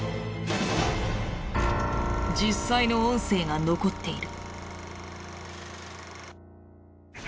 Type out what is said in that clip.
実際の音声が残っている。